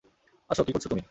আসো, কি করছ তুমি?